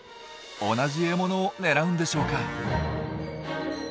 同じ獲物を狙うんでしょうか？